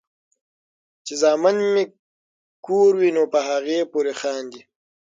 چې زامن مې کور وي نو پۀ هغې پورې خاندي ـ